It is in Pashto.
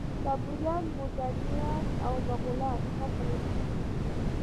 بابریان ګورکانیان او مغولان هم بلل کیږي.